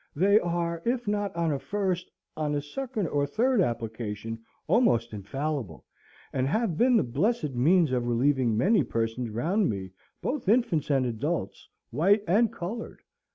They are, if not on a first, on a second or third application, almost infallible, and have been the blessed means of relieving many persons round me, both infants and adults, white and coloured.